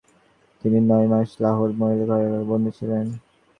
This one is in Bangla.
তিনি নয় মাস লাহোর মহিলা কারাগারে বন্দী ছিলেন।